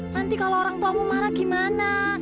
nanti kalau orangtuamu marah gimana